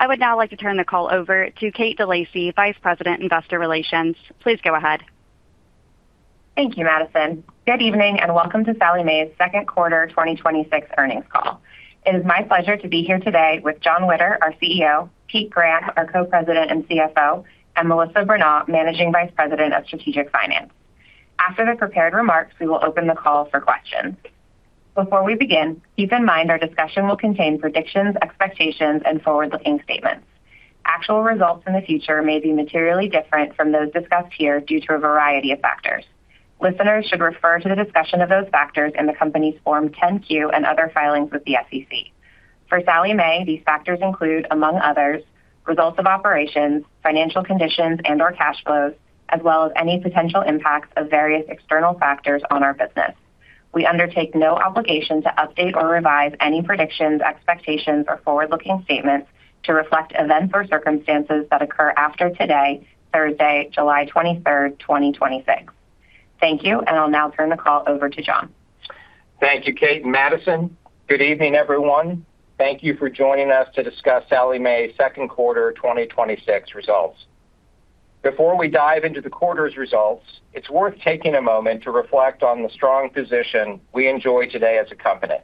I would now like to turn the call over to Kate deLacy, Vice President, Investor Relations. Please go ahead. Thank you, Madison. Good evening, and welcome to Sallie Mae's Q2 2026 earnings call. It is my pleasure to be here today with Jon Witter, our CEO, Pete Graham, our Co-President and CFO, and Melissa Bernot, Managing Vice President of Strategic Finance. After the prepared remarks, we will open the call for questions. Before we begin, keep in mind our discussion will contain predictions, expectations, and forward-looking statements. Actual results in the future may be materially different from those discussed here due to a variety of factors. Listeners should refer to the discussion of those factors in the company's Form 10-Q and other filings with the SEC. For Sallie Mae, these factors include, among others, results of operations, financial conditions, and/or cash flows, as well as any potential impacts of various external factors on our business. We undertake no obligation to update or revise any predictions, expectations, or forward-looking statements to reflect events or circumstances that occur after today, Thursday, July 23rd, 2026. Thank you. I'll now turn the call over to Jon. Thank you, Kate and Madison. Good evening, everyone. Thank you for joining us to discuss Sallie Mae's Q2 2026 results. Before we dive into the quarter's results, it's worth taking a moment to reflect on the strong position we enjoy today as a company.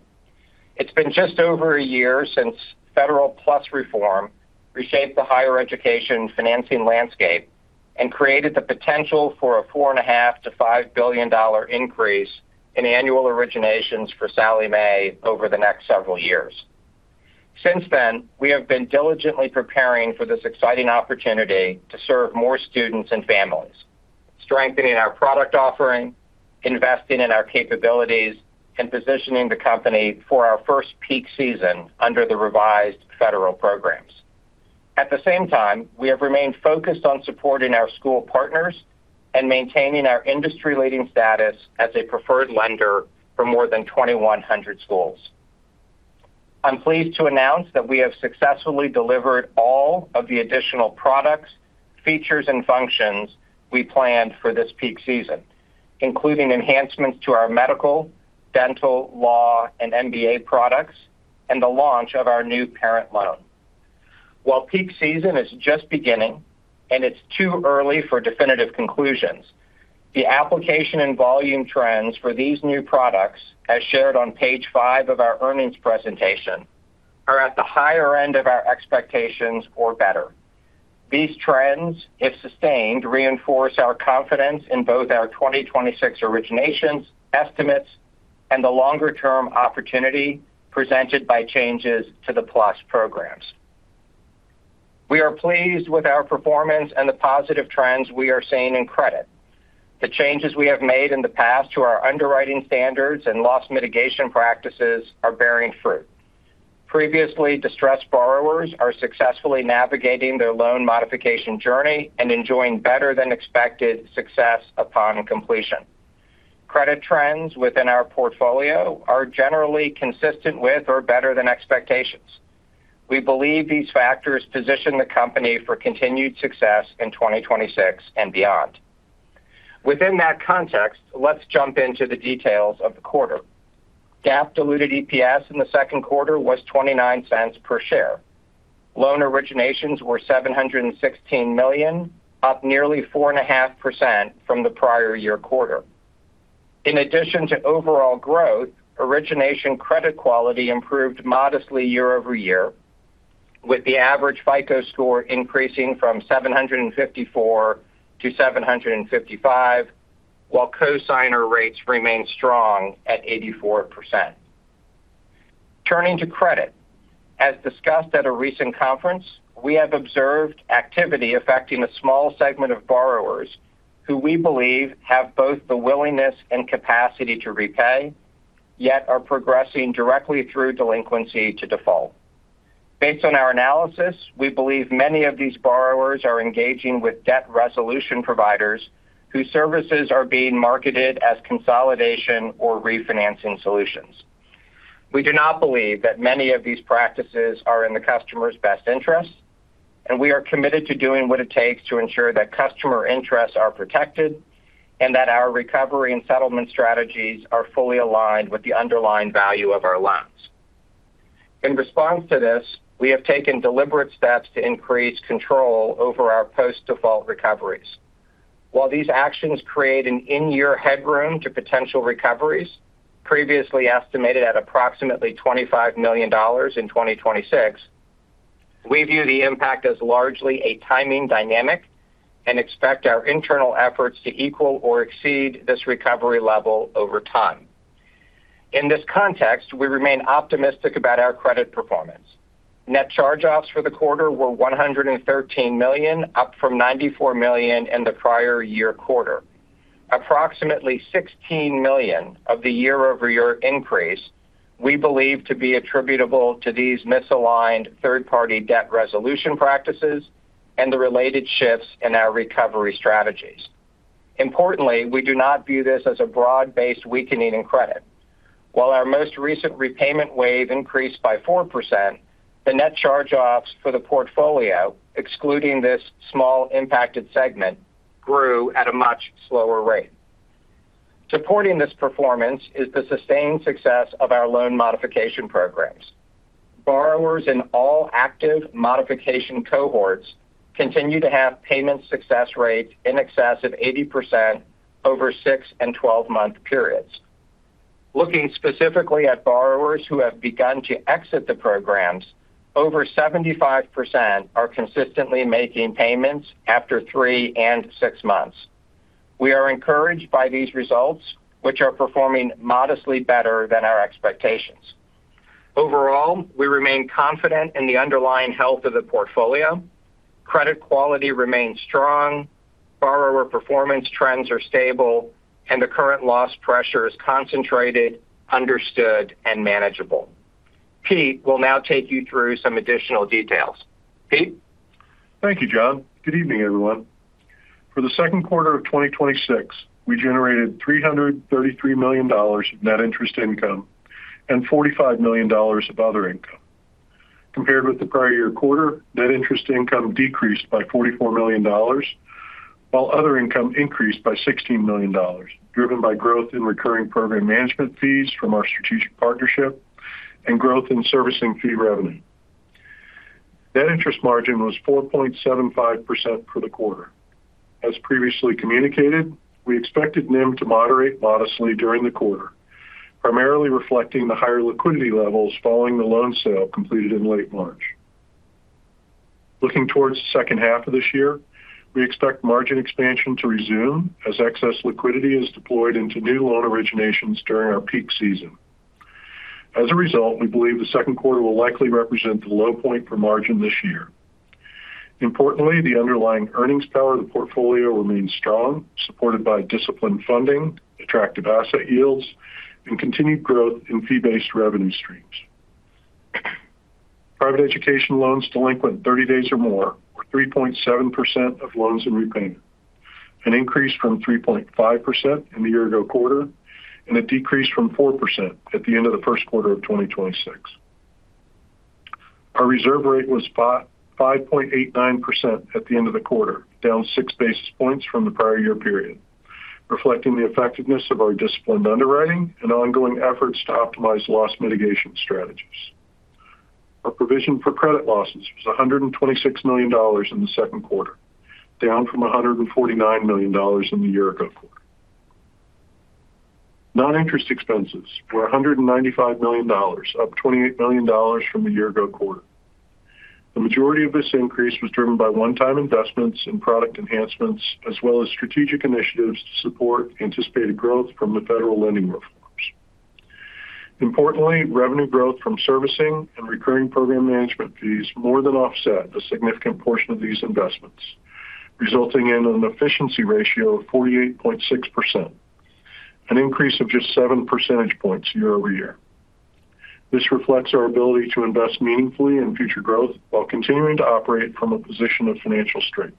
It's been just over a year since Federal PLUS reform reshaped the higher education financing landscape and created the potential for a $4.5 billion-$5 billion increase in annual originations for Sallie Mae over the next several years. Since then, we have been diligently preparing for this exciting opportunity to serve more students and families, strengthening our product offering, investing in our capabilities, and positioning the company for our first peak season under the revised federal programs. At the same time, we have remained focused on supporting our school partners and maintaining our industry-leading status as a preferred lender for more than 2,100 schools. I am pleased to announce that we have successfully delivered all of the additional products, features, and functions we planned for this peak season, including enhancements to our medical, dental, law, and MBA products, and the launch of our new parent loan. While peak season is just beginning and it is too early for definitive conclusions, the application and volume trends for these new products, as shared on page five of our earnings presentation, are at the higher end of our expectations or better. These trends, if sustained, reinforce our confidence in both our 2026 originations estimates and the longer-term opportunity presented by changes to the PLUS programs. We are pleased with our performance and the positive trends we are seeing in credit. The changes we have made in the past to our underwriting standards and loss mitigation practices are bearing fruit. Previously distressed borrowers are successfully navigating their loan modification journey and enjoying better than expected success upon completion. Credit trends within our portfolio are generally consistent with or better than expectations. We believe these factors position the company for continued success in 2026 and beyond. Within that context, let us jump into the details of the quarter. GAAP diluted EPS in the Q2 was $0.29 per share. Loan originations were $716 million, up nearly 4.5% from the prior year quarter. In addition to overall growth, origination credit quality improved modestly year-over-year, with the average FICO score increasing from 754-755, while cosigner rates remained strong at 84%. Turning to credit, as discussed at a recent conference, we have observed activity affecting a small segment of borrowers who we believe have both the willingness and capacity to repay, yet are progressing directly through delinquency to default. Based on our analysis, we believe many of these borrowers are engaging with debt resolution providers whose services are being marketed as consolidation or refinancing solutions. We do not believe that many of these practices are in the customer's best interest. We are committed to doing what it takes to ensure that customer interests are protected and that our recovery and settlement strategies are fully aligned with the underlying value of our loans. In response to this, we have taken deliberate steps to increase control over our post-default recoveries. While these actions create an in-year headroom to potential recoveries, previously estimated at approximately $25 million in 2026, we view the impact as largely a timing dynamic and expect our internal efforts to equal or exceed this recovery level over time. In this context, we remain optimistic about our credit performance. Net charge-offs for the quarter were $113 million, up from $94 million in the prior year quarter. Approximately $16 million of the year-over-year increase, we believe to be attributable to these misaligned third-party debt resolution practices and the related shifts in our recovery strategies. Importantly, we do not view this as a broad-based weakening in credit. While our most recent repayment wave increased by four percent, the net charge-offs for the portfolio, excluding this small impacted segment, grew at a much slower rate. Supporting this performance is the sustained success of our loan modification programs. Borrowers in all active modification cohorts continue to have payment success rates in excess of 80% over six and 12-month periods. Looking specifically at borrowers who have begun to exit the programs, over 75% are consistently making payments after three and six months. We are encouraged by these results, which are performing modestly better than our expectations. Overall, we remain confident in the underlying health of the portfolio. Credit quality remains strong, borrower performance trends are stable, and the current loss pressure is concentrated, understood, and manageable. Pete will now take you through some additional details. Pete? Thank you, Jon. Good evening, everyone. For the Q2 of 2026, we generated $333 million of net interest income and $45 million of other income. Compared with the prior year quarter, net interest income decreased by $44 million, while other income increased by $16 million, driven by growth in recurring program management fees from our strategic partnership and growth in servicing fee revenue. Net interest margin was 4.75% for the quarter. As previously communicated, we expected NIM to moderate modestly during the quarter, primarily reflecting the higher liquidity levels following the loan sale completed in late March. Looking towards the second half of this year, we expect margin expansion to resume as excess liquidity is deployed into new loan originations during our peak season. As a result, we believe the Q2 will likely represent the low point for margin this year. Importantly, the underlying earnings power of the portfolio remains strong, supported by disciplined funding, attractive asset yields, and continued growth in fee-based revenue streams. Private education loans delinquent 30 days or more were 3.7% of loans in repayment, an increase from 3.5% in the year-ago quarter and a decrease from four percent at the end of the first quarter of 2026. Our reserve rate was 5.89% at the end of the quarter, down six basis points from the prior year period, reflecting the effectiveness of our disciplined underwriting and ongoing efforts to optimize loss mitigation strategies. Our provision for credit losses was $126 million in the Q2, down from $149 million in the year-ago quarter. Non-interest expenses were $195 million, up $28 million from the year-ago quarter. The majority of this increase was driven by one-time investments in product enhancements as well as strategic initiatives to support anticipated growth from the federal lending reforms. Importantly, revenue growth from servicing and recurring program management fees more than offset a significant portion of these investments, resulting in an efficiency ratio of 48.6%, an increase of just seven percentage points year-over-year. This reflects our ability to invest meaningfully in future growth while continuing to operate from a position of financial strength.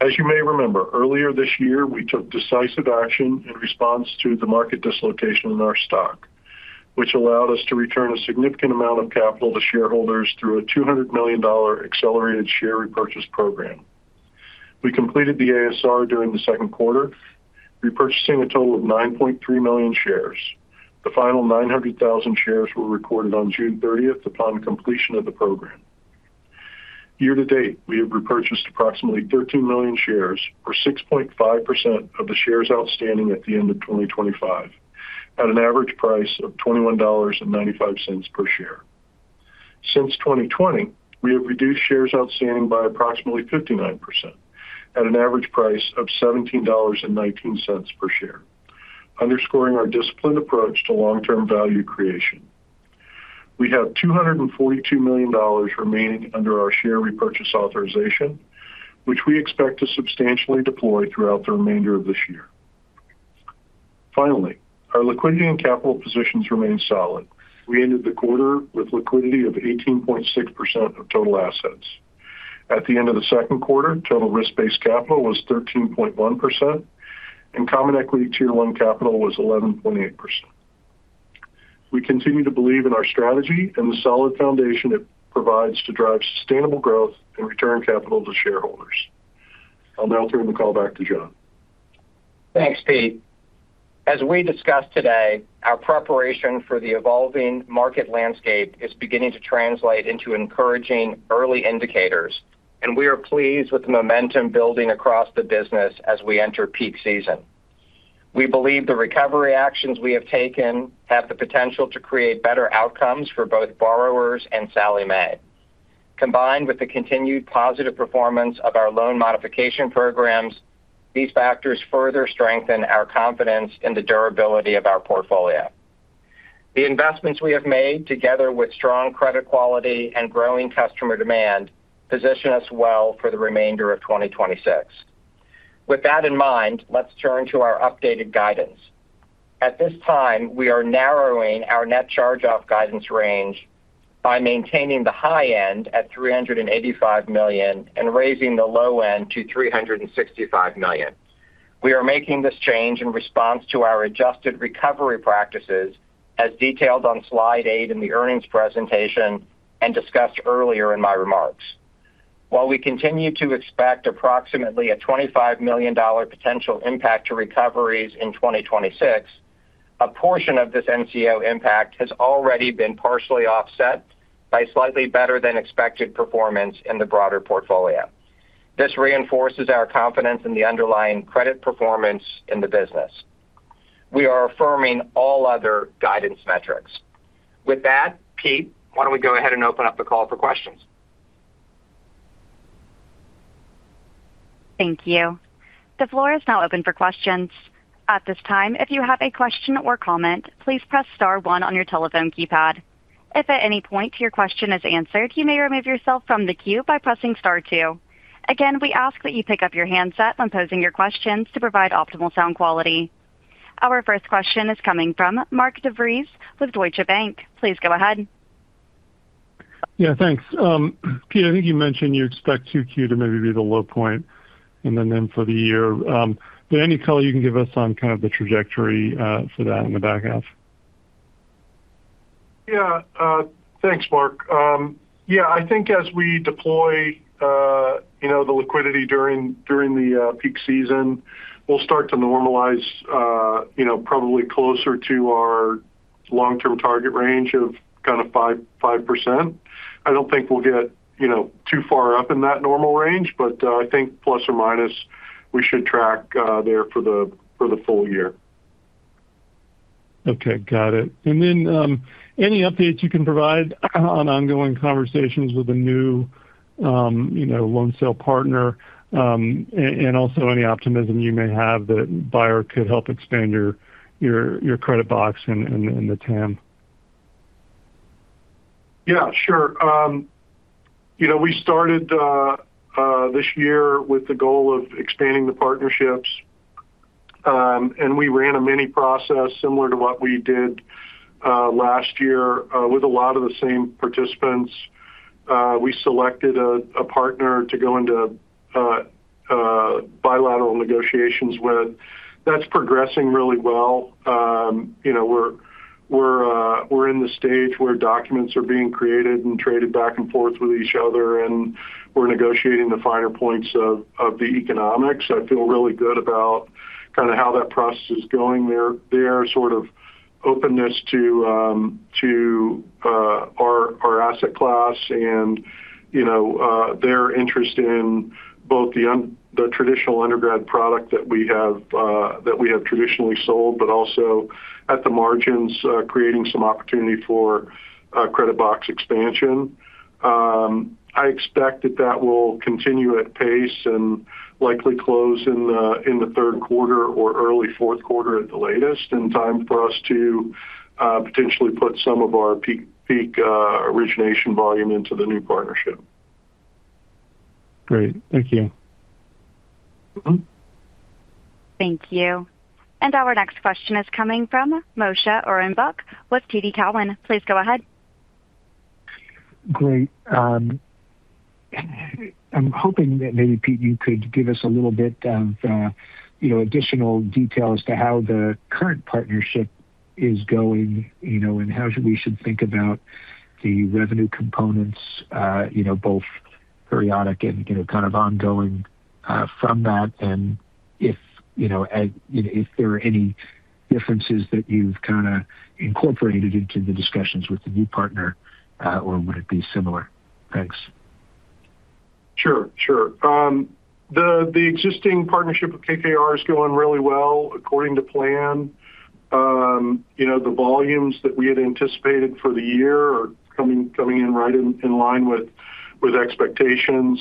As you may remember, earlier this year, we took decisive action in response to the market dislocation in our stock, which allowed us to return a significant amount of capital to shareholders through a $200 million accelerated share repurchase program. We completed the ASR during the second quarter, repurchasing a total of 9.3 million shares. The final 900,000 shares were recorded on June 30th upon completion of the program. Year to date, we have repurchased approximately 13 million shares or 6.5% of the shares outstanding at the end of 2025 at an average price of $21.95 per share. Since 2020, we have reduced shares outstanding by approximately 59% at an average price of $17.19 per share, underscoring our disciplined approach to long-term value creation. We have $242 million remaining under our share repurchase authorization, which we expect to substantially deploy throughout the remainder of this year. Finally, our liquidity and capital positions remain solid. We ended the quarter with liquidity of 18.6% of total assets. At the end of the Q2, total risk-based capital was 13.1%, and Common Equity Tier 1 capital was 11.8%. We continue to believe in our strategy and the solid foundation it provides to drive sustainable growth and return capital to shareholders. I'll now turn the call back to Jon. Thanks, Pete. As we discussed today, our preparation for the evolving market landscape is beginning to translate into encouraging early indicators, and we are pleased with the momentum building across the business as we enter peak season. We believe the recovery actions we have taken have the potential to create better outcomes for both borrowers and Sallie Mae. Combined with the continued positive performance of our loan modification programs, these factors further strengthen our confidence in the durability of our portfolio. The investments we have made, together with strong credit quality and growing customer demand, position us well for the remainder of 2026. With that in mind, let's turn to our updated guidance. At this time, we are narrowing our net charge-off guidance range by maintaining the high end at $385 million and raising the low end to $365 million. We are making this change in response to our adjusted recovery practices as detailed on slide eight in the earnings presentation and discussed earlier in my remarks. While we continue to expect approximately a $25 million potential impact to recoveries in 2026, a portion of this NCO impact has already been partially offset by slightly better than expected performance in the broader portfolio. This reinforces our confidence in the underlying credit performance in the business. We are affirming all other guidance metrics. With that, Pete, why don't we go ahead and open up the call for questions? Thank you. The floor is now open for questions. At this time, if you have a question or comment, please press star one on your telephone keypad. If at any point your question is answered, you may remove yourself from the queue by pressing star two. Again, we ask that you pick up your handset when posing your questions to provide optimal sound quality. Our first question is coming from Mark DeVries with Deutsche Bank. Please go ahead. Yeah, thanks. Pete, I think you mentioned you expect 2Q to maybe be the low point, and then for the year. Any color you can give us on kind of the trajectory for that in the back half? Yeah. Thanks, Mark. Yeah, I think as we deploy the liquidity during the peak season, we'll start to normalize probably closer to our long-term target range of kind of five percent. I don't think we'll get too far up in that normal range, but I think plus or minus we should track there for the full year. Okay. Got it. Then, any updates you can provide on ongoing conversations with the new loan sale partner? Also any optimism you may have that buyer could help expand your credit box and the TAM. Yeah, sure. We started this year with the goal of expanding the partnerships. We ran a mini process similar to what we did last year with a lot of the same participants. We selected a partner to go into bilateral negotiations with. That's progressing really well. We're in the stage where documents are being created and traded back and forth with each other, and we're negotiating the finer points of the economics. I feel really good about kind of how that process is going there, their sort of openness to our asset class and their interest in both the traditional undergrad product that we have traditionally sold, but also at the margins, creating some opportunity for credit box expansion. I expect that that will continue at pace and likely close in the Q3 or early Q4 at the latest, in time for us to potentially put some of our peak origination volume into the new partnership. Great. Thank you. Thank you. Our next question is coming from Moshe Orenbuch with TD Cowen. Please go ahead. Great. I'm hoping that maybe, Pete, you could give us a little bit of additional detail as to how the current partnership is going, and how we should think about the revenue components both periodic and kind of ongoing from that. If there are any differences that you've kind of incorporated into the discussions with the new partner or would it be similar? Thanks. Sure. The existing partnership with KKR is going really well, according to plan. The volumes that we had anticipated for the year are coming in right in line with expectations.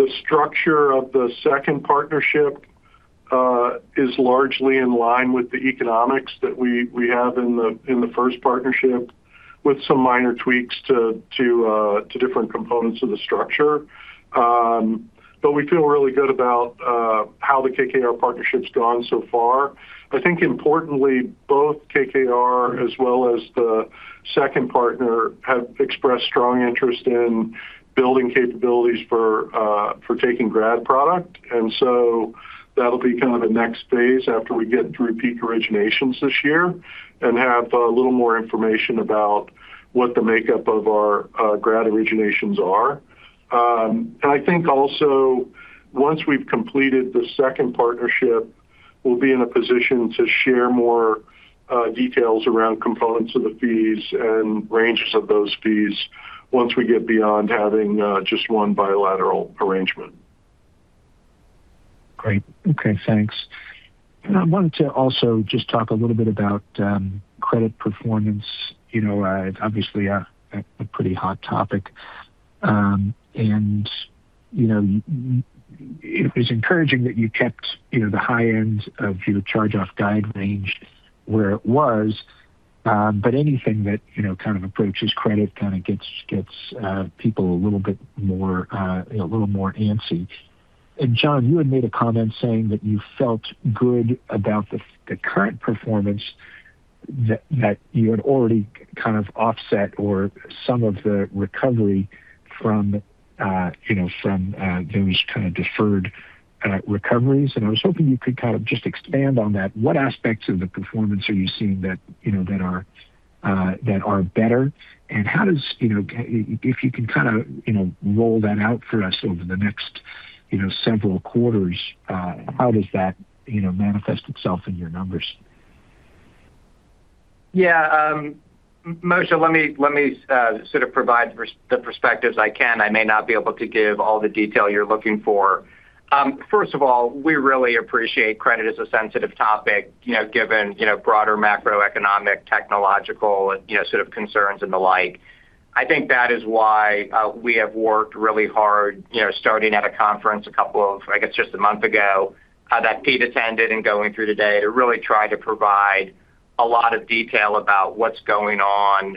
The structure of the second partnership is largely in line with the economics that we have in the first partnership with some minor tweaks to different components of the structure. We feel really good about how the KKR partnership's gone so far. I think importantly, both KKR as well as the second partner have expressed strong interest in building capabilities for taking grad product. That'll be kind of the next phase after we get through peak originations this year and have a little more information about what the makeup of our grad originations are. I think also once we've completed the second partnership, we'll be in a position to share more details around components of the fees and ranges of those fees once we get beyond having just one bilateral arrangement. Great. Okay, thanks. I wanted to also just talk a little bit about credit performance. Obviously a pretty hot topic. It was encouraging that you kept the high end of your charge-off guide range where it was. Anything that kind of approaches credit kind of gets people a little bit more antsy. Jon, you had made a comment saying that you felt good about the current performance that you had already kind of offset or some of the recovery from those kind of deferred recoveries. I was hoping you could kind of just expand on that. What aspects of the performance are you seeing that are better? If you can kind of roll that out for us over the next several quarters, how does that manifest itself in your numbers? Yeah. Moshe, let me sort of provide the perspectives I can. I may not be able to give all the detail you're looking for. First of all, we really appreciate credit as a sensitive topic given broader macroeconomic, technological sort of concerns and the like. I think that is why we have worked really hard, starting at a conference I guess just a month ago, that Pete attended and going through today, to really try to provide a lot of detail about what's going on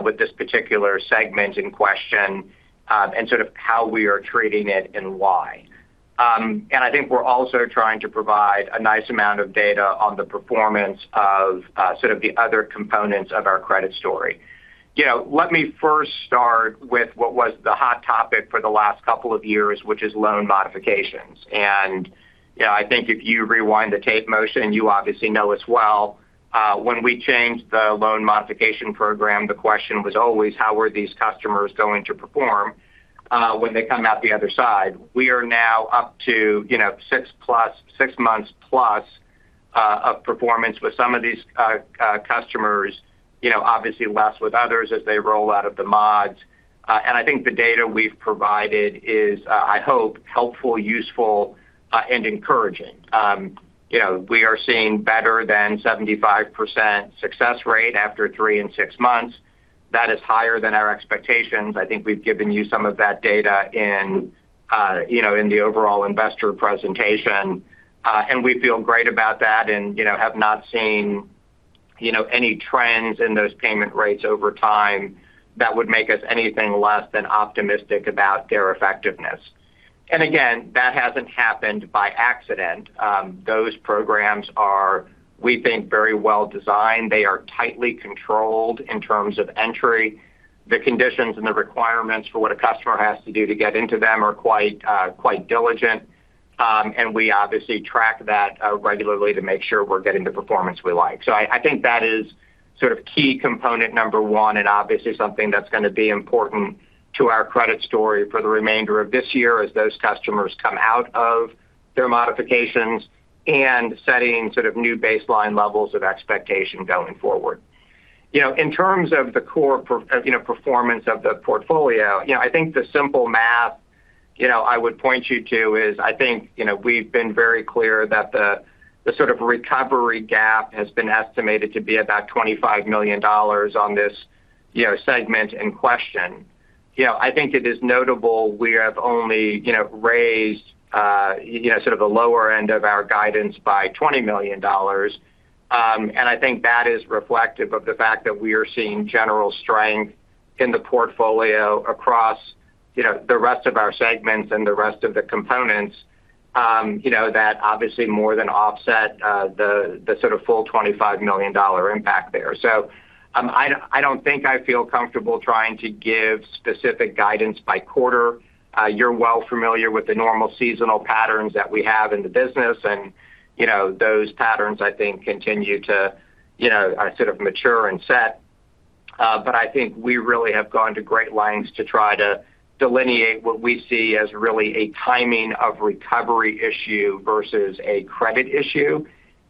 with this particular segment in question, and sort of how we are treating it and why. I think we're also trying to provide a nice amount of data on the performance of sort of the other components of our credit story. Let me first start with what was the hot topic for the last couple of years, which is loan modifications. I think if you rewind the tape, Moshe, you obviously know as well, when we changed the loan modification program, the question was always how were these customers going to perform when they come out the other side. We are now up to six months-plus of performance with some of these customers. Obviously less with others as they roll out of the mods. I think the data we've provided is, I hope, helpful, useful, and encouraging. We are seeing better than 75% success rate after three and six months. That is higher than our expectations. I think we've given you some of that data in the overall investor presentation. We feel great about that and have not seen any trends in those payment rates over time that would make us anything less than optimistic about their effectiveness. Again, that hasn't happened by accident. Those programs are, we think, very well-designed. They are tightly controlled in terms of entry. The conditions and the requirements for what a customer has to do to get into them are quite diligent. We obviously track that regularly to make sure we're getting the performance we like. I think that is sort of key component number one, and obviously something that's going to be important to our credit story for the remainder of this year as those customers come out of their modifications, and setting sort of new baseline levels of expectation going forward. In terms of the core performance of the portfolio, I think the simple math I would point you to is I think we've been very clear that the sort of recovery gap has been estimated to be about $25 million on this segment in question. I think it is notable we have only raised sort of the lower end of our guidance by $20 million. I think that is reflective of the fact that we are seeing general strength in the portfolio across the rest of our segments and the rest of the components that obviously more than offset the sort of full $25 million impact there. I don't think I feel comfortable trying to give specific guidance by quarter. You're well familiar with the normal seasonal patterns that we have in the business, and those patterns, I think, continue to sort of mature and set. I think we really have gone to great lengths to try to delineate what we see as really a timing of recovery issue versus a credit issue,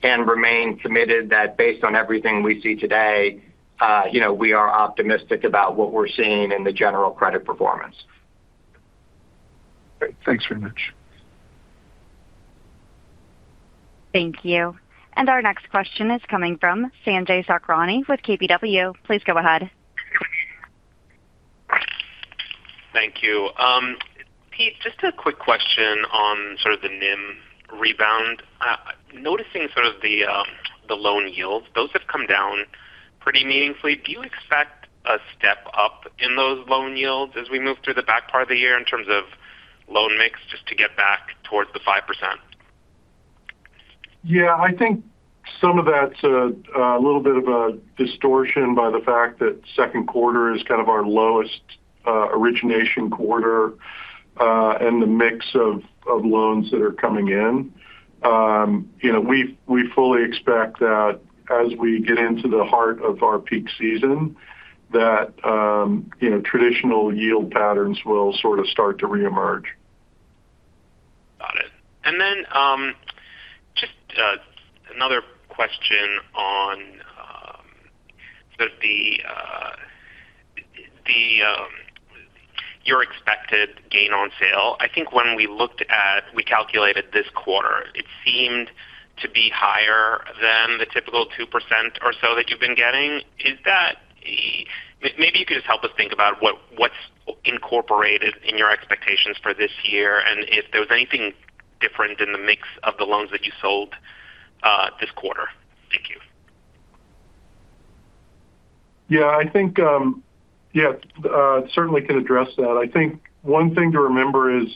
and remain committed that based on everything we see today, we are optimistic about what we're seeing in the general credit performance. Great. Thanks very much. Thank you. Our next question is coming from Sanjay Sakhrani with KBW. Please go ahead. Thank you. Pete, just a quick question on sort of the NIM rebound. Noticing sort of the loan yields, those have come down pretty meaningfully. Do you expect a step-up in those loan yields as we move through the back part of the year in terms of loan mix, just to get back towards the five percent? Yeah, I think some of that's a little bit of a distortion by the fact that Q2 is kind of our lowest origination quarter, and the mix of loans that are coming in. We fully expect that as we get into the heart of our peak season, that traditional yield patterns will sort of start to reemerge. Got it. Then just another question on sort of your expected gain on sale. I think when we calculated this quarter, it seemed to be higher than the typical two percent or so that you've been getting. Maybe you could just help us think about what's incorporated in your expectations for this year, and if there was anything different in the mix of the loans that you sold this quarter. Thank you. Yeah. I certainly can address that. I think one thing to remember is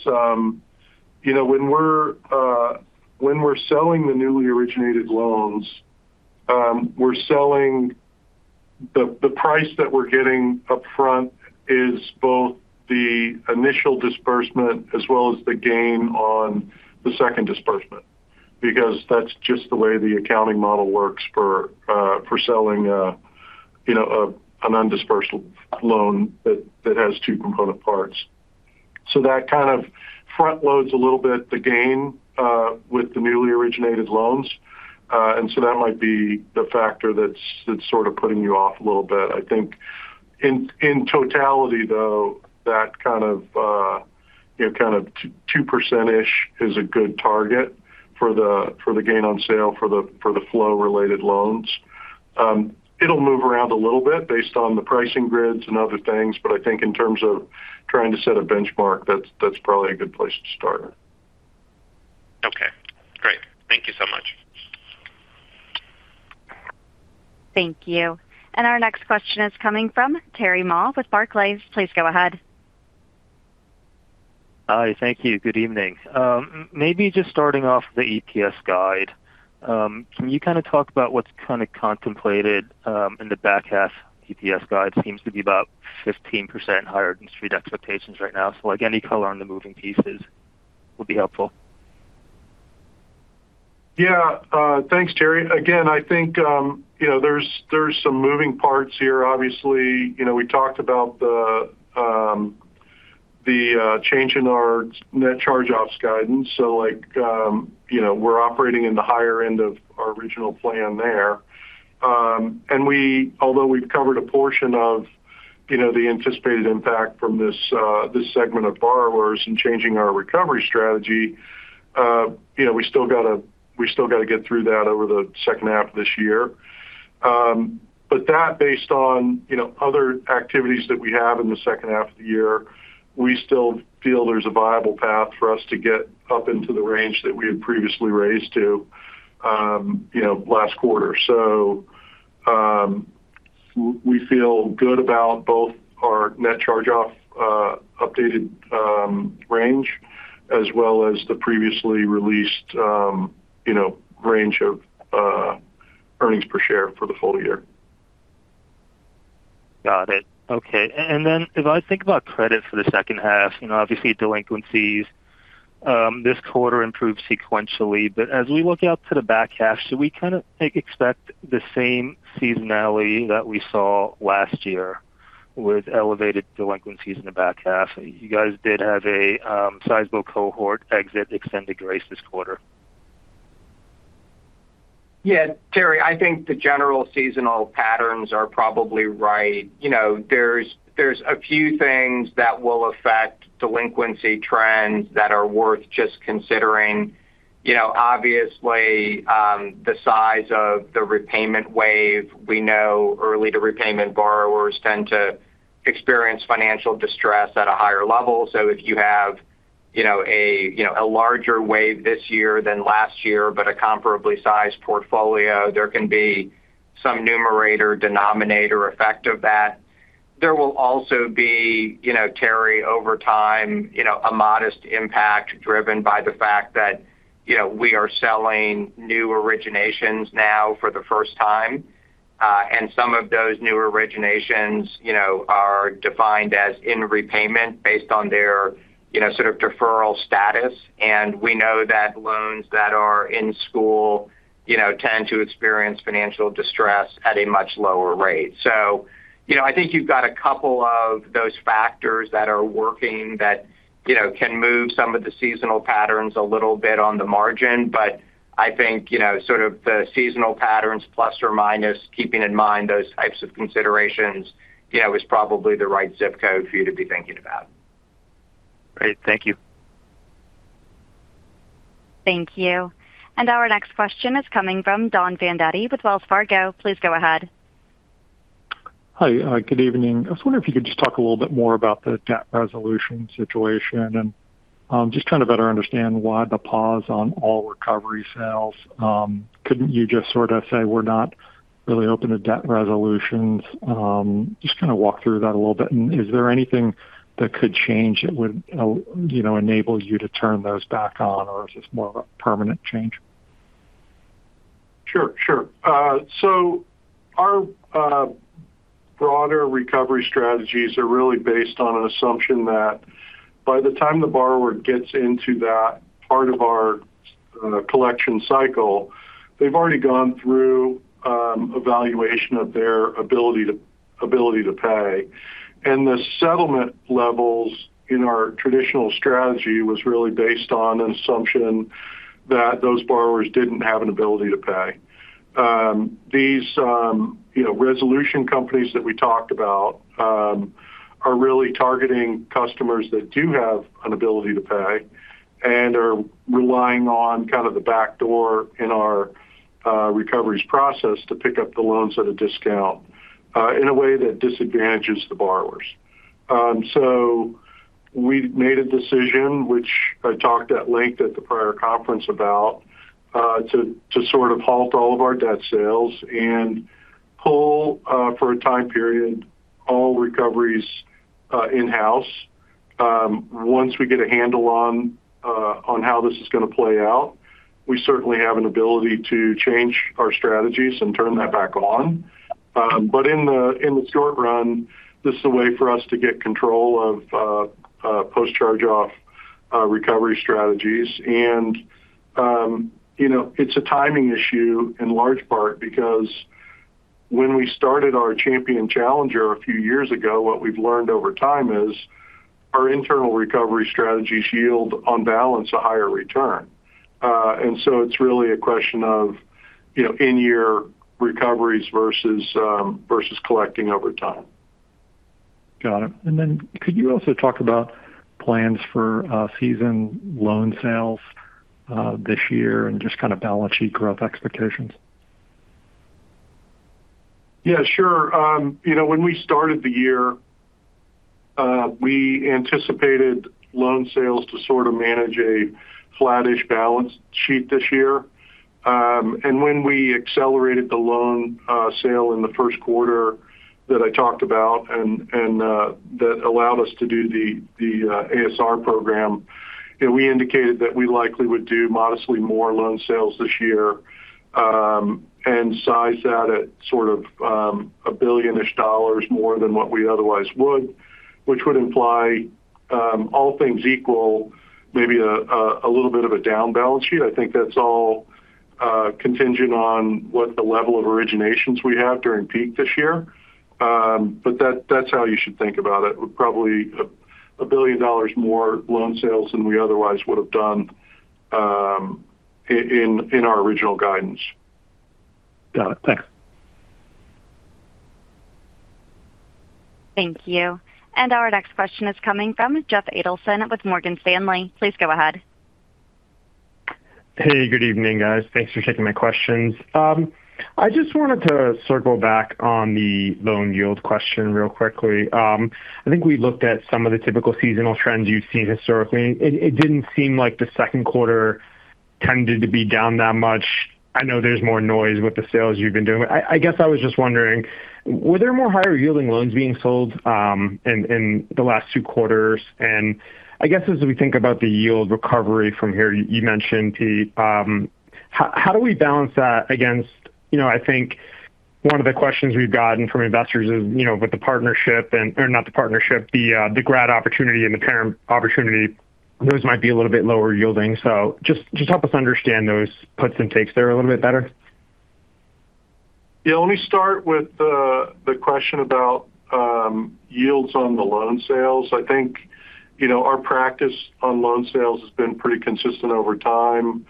when we're selling the newly originated loans, we're selling the price that we're getting upfront is both the initial disbursement as well as the gain on the second disbursement. That's just the way the accounting model works for selling an undispersed loan that has two component parts. That kind of front-loads a little bit the gain with the newly originated loans. That might be the factor that's sort of putting you off a little bit. I think in totality, though, that kind of two percent-ish is a good target for the gain on sale for the flow-related loans. It'll move around a little bit based on the pricing grids and other things, but I think in terms of trying to set a benchmark, that's probably a good place to start. Okay, great. Thank you so much. Thank you. Our next question is coming from Terry Ma with Barclays. Please go ahead. Hi. Thank you. Good evening. Maybe just starting off with the EPS guide. Can you kind of talk about what's kind of contemplated in the back half EPS guide? Seems to be about 15% higher than street expectations right now. Any color on the moving pieces would be helpful. Yeah. Thanks, Terry. Again, I think there's some moving parts here. Obviously, we talked about the change in our net charge-offs guidance. We're operating in the higher end of our original plan there. Although we've covered a portion of the anticipated impact from this segment of borrowers and changing our recovery strategy, we still got to get through that over the second half of this year. That based on other activities that we have in the second half of the year, we still feel there's a viable path for us to get up into the range that we had previously raised to last quarter. We feel good about both our net charge-off updated range as well as the previously released range of earnings per share for the full year. Got it. Okay. If I think about credit for the second half, obviously delinquencies this quarter improved sequentially. As we look out to the back half, should we kind of expect the same seasonality that we saw last year with elevated delinquencies in the back half? You guys did have a sizable cohort exit extended grace this quarter. Yeah. Terry, I think the general seasonal patterns are probably right. There's a few things that will affect delinquency trends that are worth just considering. Obviously, the size of the repayment wave. We know early to repayment borrowers tend to experience financial distress at a higher level. If you have a larger wave this year than last year, but a comparably sized portfolio, there can be some numerator/denominator effect of that. There will also be, Terry, over time, a modest impact driven by the fact that we are selling new originations now for the first time. Some of those new originations are defined as in repayment based on their sort of deferral status. We know that loans that are in school tend to experience financial distress at a much lower rate. I think you've got a couple of those factors that are working that can move some of the seasonal patterns a little bit on the margin. I think sort of the seasonal patterns plus or minus, keeping in mind those types of considerations, is probably the right zip code for you to be thinking about. Great. Thank you. Thank you. Our next question is coming from Don Fandetti with Wells Fargo. Please go ahead. Hi. Good evening. I was wondering if you could just talk a little bit more about the debt resolution situation and just trying to better understand why the pause on all recovery sales. Couldn't you just sort of say we're not really open to debt resolutions? Just kind of walk through that a little bit. Is there anything that could change that would enable you to turn those back on, or is this more of a permanent change? Sure. Our broader recovery strategies are really based on an assumption that by the time the borrower gets into that part of our collection cycle, they've already gone through evaluation of their ability to pay. The settlement levels in our traditional strategy was really based on an assumption that those borrowers didn't have an ability to pay. These resolution companies that we talked about are really targeting customers that do have an ability to pay and are relying on kind of the back door in our recoveries process to pick up the loans at a discount in a way that disadvantages the borrowers. We made a decision, which I talked at length at the prior conference about, to sort of halt all of our debt sales and pull, for a time period, all recoveries in-house. Once we get a handle on how this is going to play out, we certainly have an ability to change our strategies and turn that back on. In the short run, this is a way for us to get control of post-charge-off recovery strategies. It's a timing issue in large part because when we started our champion challenger a few years ago, what we've learned over time is our internal recovery strategies yield, on balance, a higher return. It's really a question of in-year recoveries versus collecting over time. Got it. Could you also talk about plans for season loan sales this year and just kind of balance sheet growth expectations? Yeah, sure. When we started the year, we anticipated loan sales to sort of manage a flattish balance sheet this year. When we accelerated the loan sale in the Q1 that I talked about and that allowed us to do the ASR program, we indicated that we likely would do modestly more loan sales this year and size that at sort of $1 billion-ish more than what we otherwise would, which would imply, all things equal, maybe a little bit of a down balance sheet. I think that's all contingent on what the level of originations we have during peak this year. That's how you should think about it. Probably $1 billion more loan sales than we otherwise would have done in our original guidance. Got it. Thanks. Thank you. Our next question is coming from Jeff Adelson with Morgan Stanley. Please go ahead. Hey, good evening, guys. Thanks for taking my questions. I just wanted to circle back on the loan yield question real quickly. I think we looked at some of the typical seasonal trends you've seen historically. It didn't seem like the Q2 tended to be down that much. I know there's more noise with the sales you've been doing. I guess I was just wondering, were there more higher-yielding loans being sold in the last two quarters? As we think about the yield recovery from here, you mentioned, Pete, how do we balance that against I think one of the questions we've gotten from investors is with the partnership, the grad opportunity and the term opportunity, those might be a little bit lower yielding. Just help us understand those puts and takes there a little bit better. Yeah. Let me start with the question about yields on the loan sales. I think our practice on loan sales has been pretty consistent over time.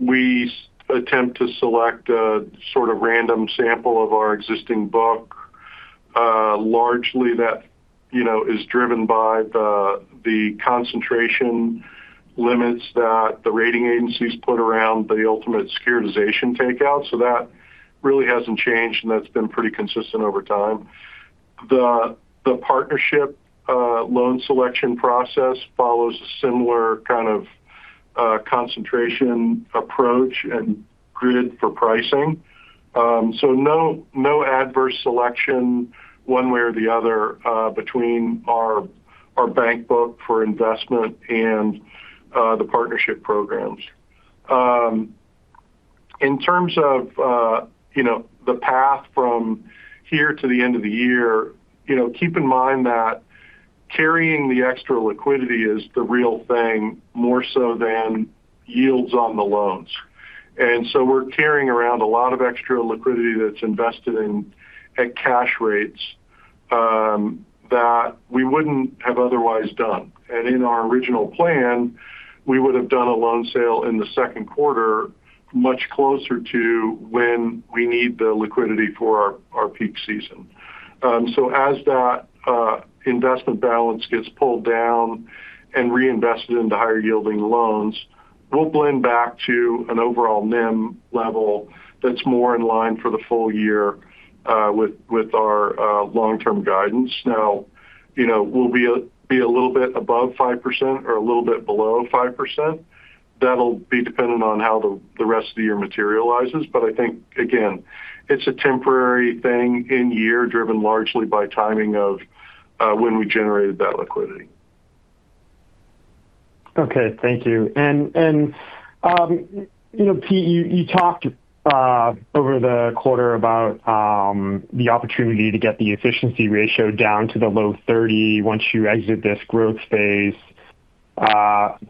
We attempt to select a sort of random sample of our existing book. Largely that is driven by the concentration limits that the rating agencies put around the ultimate securitization takeout. That really hasn't changed, and that's been pretty consistent over time. The partnership loan selection process follows a similar kind of concentration approach and grid for pricing. No adverse selection one way or the other between our bank book for investment and the partnership programs. In terms of the path from here to the end of the year, keep in mind that carrying the extra liquidity is the real thing, more so than yields on the loans. We're carrying around a lot of extra liquidity that's invested in at cash rates that we wouldn't have otherwise done. In our original plan, we would have done a loan sale in the Q2, much closer to when we need the liquidity for our peak season. As that investment balance gets pulled down and reinvested into higher-yielding loans, we'll blend back to an overall NIM level that's more in line for the full year with our long-term guidance. Now, will we be a little bit above five percent or a little bit below five percent? That'll be dependent on how the rest of the year materializes. I think, again, it's a temporary thing in year, driven largely by timing of when we generated that liquidity. Thank you. Pete, you talked over the quarter about the opportunity to get the efficiency ratio down to the low 30% once you exit this growth phase. How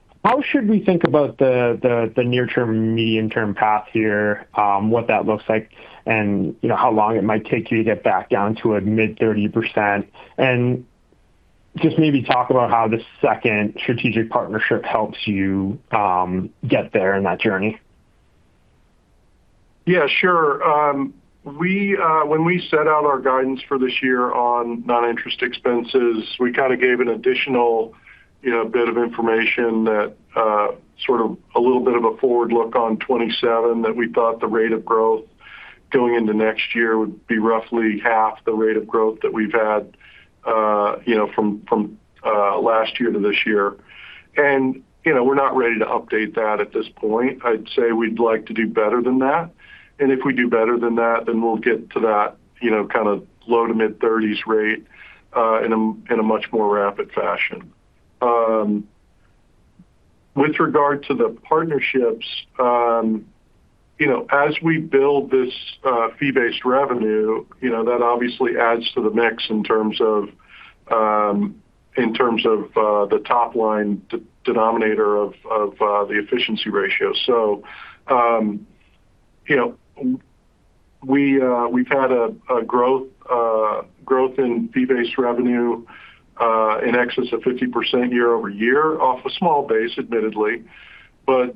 should we think about the near-term, medium-term path here what that looks like, and how long it might take you to get back down to a mid-30%? Just maybe talk about how this second strategic partnership helps you get there in that journey. Yeah, sure. When we set out our guidance for this year on non-interest expenses, we kind of gave an additional bit of information that sort of a little bit of a forward look on 2027 that we thought the rate of growth going into next year would be roughly half the rate of growth that we've had from last year to this year. We're not ready to update that at this point. I'd say we'd like to do better than that. If we do better than that, then we'll get to that kind of low- to mid-30s% rate in a much more rapid fashion. With regard to the partnerships, as we build this fee-based revenue, that obviously adds to the mix in terms of the top-line denominator of the efficiency ratio. We've had a growth in fee-based revenue in excess of 50% year-over-year off a small base, admittedly.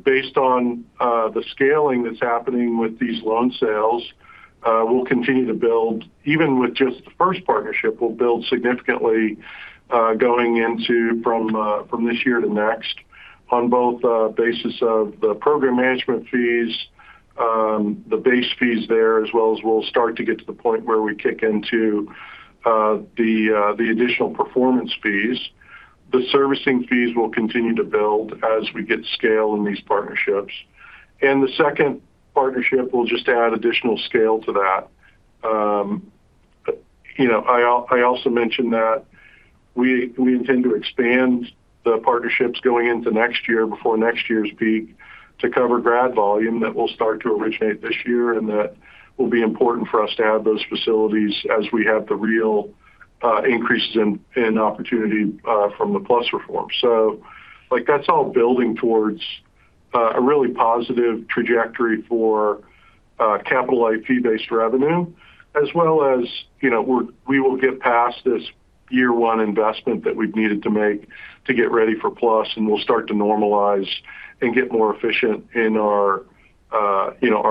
Based on the scaling that's happening with these loan sales, we'll continue to build. Even with just the first partnership, we'll build significantly going into from this year to next on both a basis of the program management fees, the base fees there, as well as we'll start to get to the point where we kick into the additional performance fees. The servicing fees will continue to build as we get scale in these partnerships. The second partnership will just add additional scale to that. I also mentioned that we intend to expand the partnerships going into next year before next year's peak to cover grad volume that will start to originate this year, and that will be important for us to have those facilities as we have the real increases in opportunity from the PLUS reform. That's all building towards a really positive trajectory for capital A fee-based revenue as well as we will get past this year-one investment that we've needed to make to get ready for PLUS, and we'll start to normalize and get more efficient in our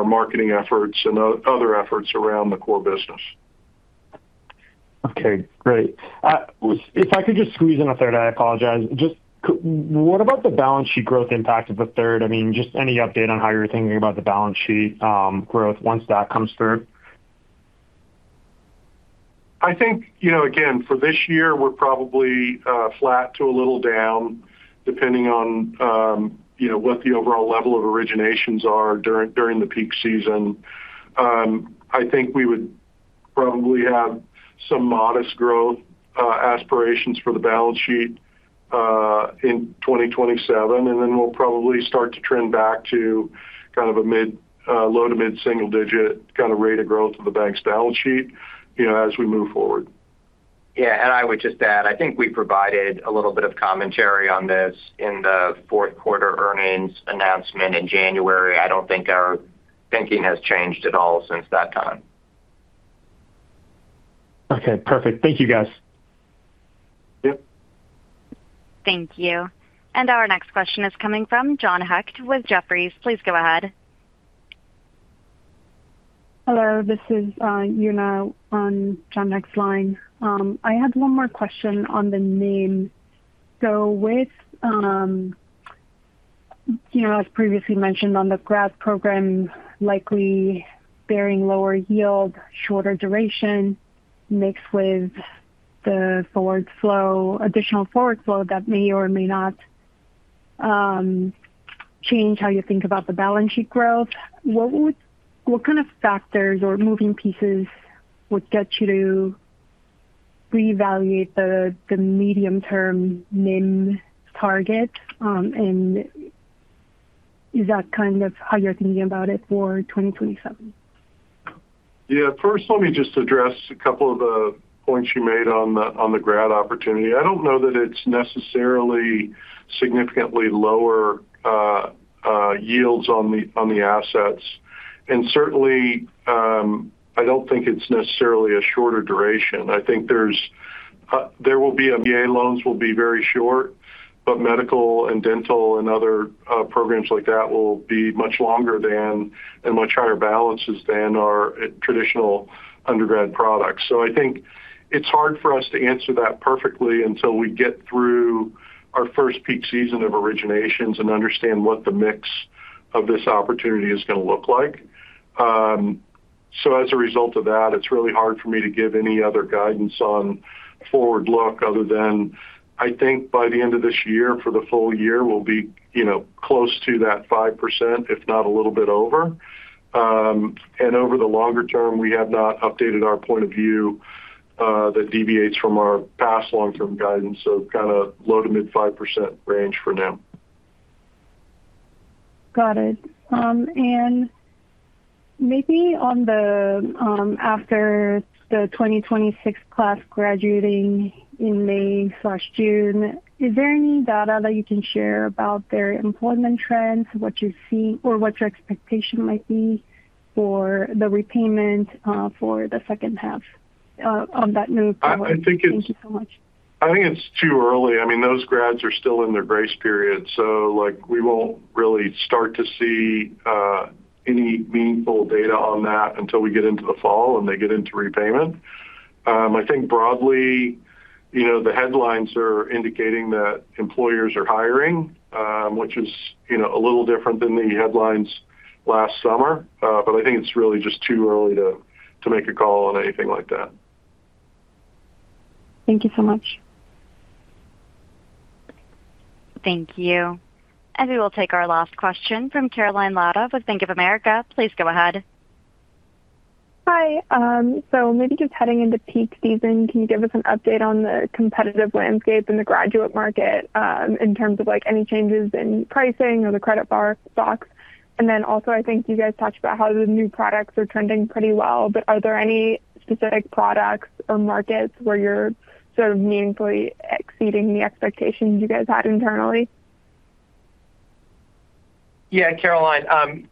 marketing efforts and other efforts around the core business. Okay, great. If I could just squeeze in a third, I apologize. What about the balance sheet growth impact of the third? Any update on how you're thinking about the balance sheet growth once that comes through? I think, again, for this year, we're probably flat to a little down, depending on what the overall level of originations are during the peak season. We would probably have some modest growth aspirations for the balance sheet in 2027, then we'll probably start to trend back to kind of a low-to-mid single digit kind of rate of growth of the bank's balance sheet as we move forward. I would just add, I think we provided a little bit of commentary on this in the Q4 earnings announcement in January. I don't think our thinking has changed at all since that time. Okay, perfect. Thank you, guys. Yep. Thank you. Our next question is coming from John Hecht with Jefferies. Please go ahead. Hello, this is Yuna on John Hecht's line. I had one more question on the NIM. With, as previously mentioned on the grad program, likely bearing lower yield, shorter duration, mixed with the additional forward flow that may or may not change how you think about the balance sheet growth. What kind of factors or moving pieces would get you to reevaluate the medium-term NIM target? Is that kind of how you're thinking about it for 2027? Yeah. First, let me just address a couple of the points you made on the grad opportunity. I don't know that it's necessarily significantly lower yields on the assets. Certainly, I don't think it's necessarily a shorter duration. I think there will be MBA loans will be very short, but medical and dental and other programs like that will be much longer than, and much higher balances than our traditional undergrad products. I think it's hard for us to answer that perfectly until we get through our first peak season of originations and understand what the mix of this opportunity is going to look like. As a result of that, it's really hard for me to give any other guidance on forward look other than, I think by the end of this year, for the full year, we'll be close to that five percent, if not a little bit over. Over the longer term, we have not updated our point of view that deviates from our past long-term guidance, so kind of low-to-mid five percent range for now. Got it. Maybe after the 2026 class graduating in May/June, is there any data that you can share about their employment trends? What you're seeing or what your expectation might be for the repayment for the second half of that new cohort? Thank you so much. I think it's too early. Those grads are still in their grace period. We won't really start to see any meaningful data on that until we get into the fall and they get into repayment. I think broadly, the headlines are indicating that employers are hiring, which is a little different than the headlines last summer. I think it's really just too early to make a call on anything like that. Thank you so much. Thank you. We will take our last question from Caroline Lada with Bank of America. Please go ahead. Maybe just heading into peak season, can you give us an update on the competitive landscape in the graduate market, in terms of any changes in pricing or the credit box? Also, I think you guys talked about how the new products are trending pretty well, but are there any specific products or markets where you're sort of meaningfully exceeding the expectations you guys had internally? Yeah, Caroline.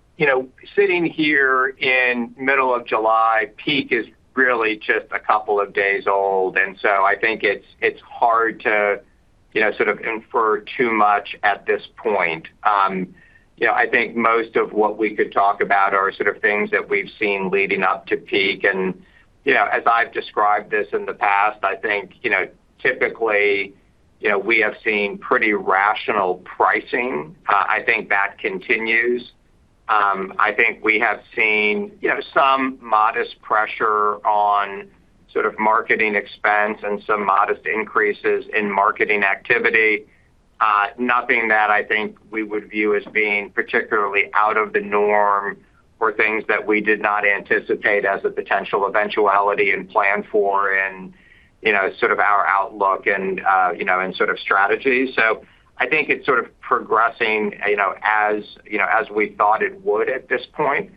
Sitting here in middle of July, peak is really just a couple of days old, I think it's hard to infer too much at this point. I think most of what we could talk about are sort of things that we've seen leading up to peak. As I've described this in the past, I think typically, we have seen pretty rational pricing. I think that continues. I think we have seen some modest pressure on sort of marketing expense and some modest increases in marketing activity. Nothing that I think we would view as being particularly out of the norm or things that we did not anticipate as a potential eventuality and plan for in sort of our outlook and sort of strategy. I think it's sort of progressing as we thought it would at this point.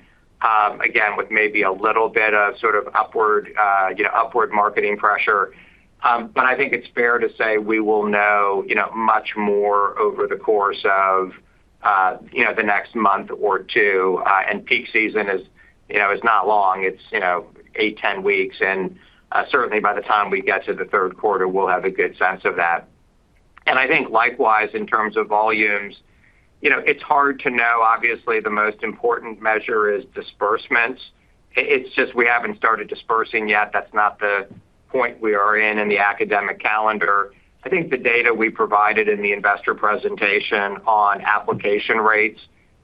Again, with maybe a little bit of sort of upward marketing pressure. I think it's fair to say we will know much more over the course of the next month or two. Peak season is not long. It's 8, 10 weeks. Certainly by the time we get to the third quarter, we'll have a good sense of that. I think likewise, in terms of volumes, it's hard to know. Obviously, the most important measure is disbursements. It's just we haven't started dispersing yet. That's not the point we are in in the academic calendar. I think the data we provided in the investor presentation on application rates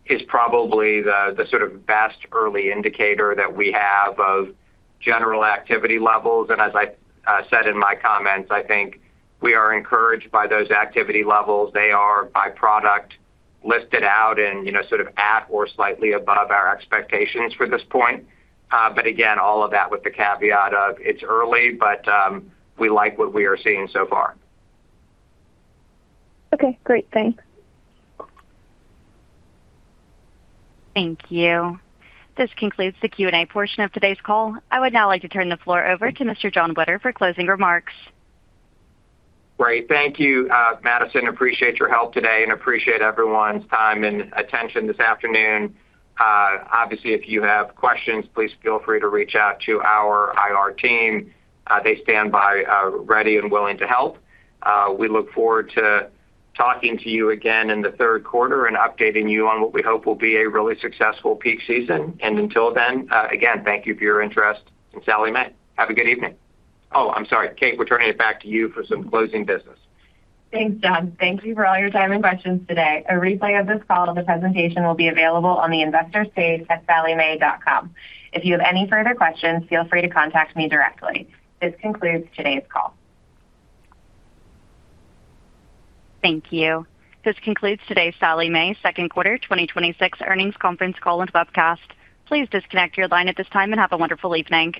is probably the sort of best early indicator that we have of general activity levels. As I said in my comments, I think we are encouraged by those activity levels. They are by product listed out and sort of at or slightly above our expectations for this point. Again, all of that with the caveat of it's early, but we like what we are seeing so far. Okay, great. Thanks. Thank you. This concludes the Q&A portion of today's call. I would now like to turn the floor over to Mr. Jon Witter for closing remarks. Great. Thank you. Madison, appreciate your help today and appreciate everyone's time and attention this afternoon. Obviously, if you have questions, please feel free to reach out to our IR team. They stand by ready and willing to help. We look forward to talking to you again in the third quarter and updating you on what we hope will be a really successful peak season. Until then, again, thank you for your interest in Sallie Mae. Have a good evening. Oh, I'm sorry. Kate, we're turning it back to you for some closing business. Thanks, Jon. Thank you for all your time and questions today. A replay of this call and the presentation will be available on the investor page at salliemae.com. If you have any further questions, feel free to contact me directly. This concludes today's call. Thank you. This concludes today's Sallie Mae second quarter 2026 earnings conference call and webcast. Please disconnect your line at this time and have a wonderful evening